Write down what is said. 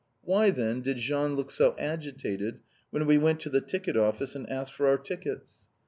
Why, then, did Jean look so agitated when we Went to the ticket office and asked for our tickets?